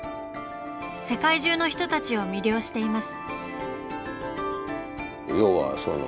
世界中の人たちを魅了しています。